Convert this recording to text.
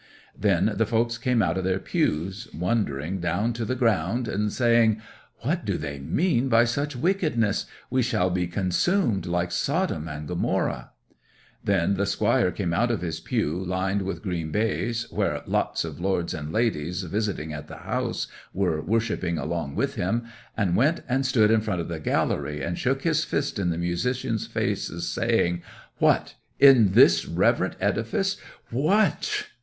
'Then the folks came out of their pews, wondering down to the ground, and saying: "What do they mean by such wickedness! We shall be consumed like Sodom and Gomorrah!" 'Then the squire came out of his pew lined wi' green baize, where lots of lords and ladies visiting at the house were worshipping along with him, and went and stood in front of the gallery, and shook his fist in the musicians' faces, saying, "What! In this reverent edifice! What!"